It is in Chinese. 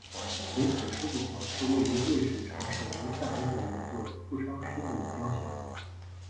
垂死狮子像是位于瑞士城市卢塞恩的一座负伤狮子的雕像。